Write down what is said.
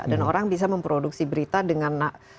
dan orang bisa memproduksi berita dengan